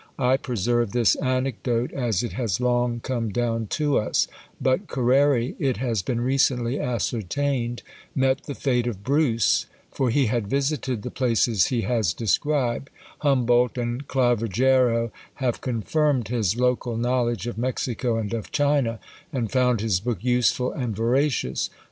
I preserve this anecdote as it has long come down to us; but Carreri, it has been recently ascertained, met the fate of Bruce for he had visited the places he has described; Humboldt and Clavigero have confirmed his local knowledge of Mexico and of China, and found his book useful and veracious.